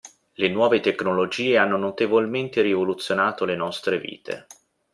Le nuove tecnologie hanno notevolmente rivoluzionato le nostre vite.